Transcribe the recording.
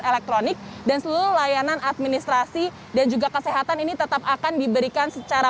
elektronik dan seluruh layanan administrasi dan juga kesehatan ini tetap akan diberikan secara